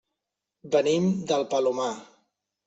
Venim del Palomar.